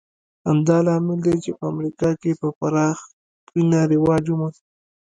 همدا لامل دی چې په امریکا کې په پراخه پینه رواج وموند